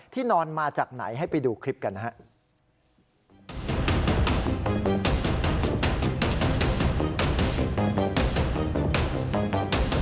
นอนมาจากไหนให้ไปดูคลิปกันนะครับ